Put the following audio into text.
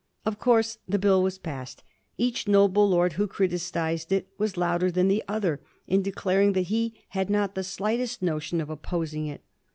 Of course the Bill was passed; each noble lord who criti cised it was louder than the other in declaring that he had not the slightest notion of opposing it.